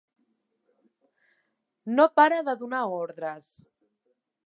No para de donar ordres!